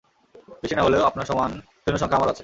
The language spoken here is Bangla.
বেশি না হলেও আপনার সমান সৈন্য সংখ্যা আমারও আছে।